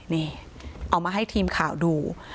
นี่เอามาให้ทีมข่าวดู